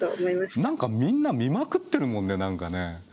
みんな見まくってるもんね何かね。